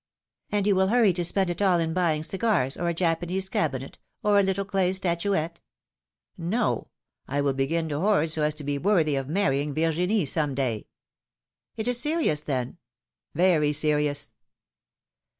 ^^And you will hurry to spend it all in buying cigars, or a Japanese cabinet, or a little clay statuette —" No ! I will begin to hoard so as to be worthy of marrying Virginie some day!" Is it serious, then ?" Very serious."